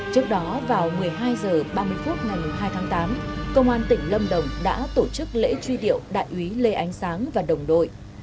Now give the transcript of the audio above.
trước đó vào một mươi hai h ba mươi phút ngày hai tháng tám công an tỉnh lâm đồng đã tổ chức lễ truy điệu đại úy lê ánh sáng và đồng đội